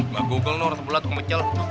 mbah guga lu rata rata kemecal